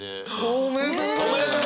おめでとうございます！